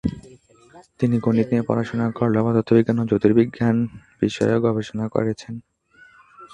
তিনি গণিত নিয়ে পড়াশোনা করলেও পদার্থবিজ্ঞান ও জ্যোতির্বিজ্ঞান বিষয়েও গবেষণা করেছেন।